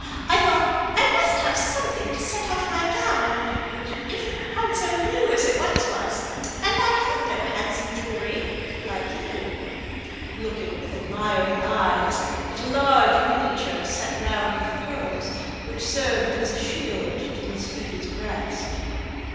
I thought I must have something to set off my gown, which isn't quite so new as it once was; and I have no handsome jewellery like you" looking with admiring eyes at a large miniature set round with pearls, which served as a shield to Miss Phoebe's breast.